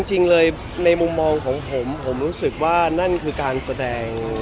จริงเลยในมุมมองของผมผมรู้สึกว่านั่นคือการแสดง